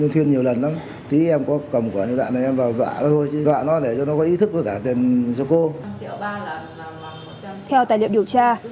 theo tài liệu điều tra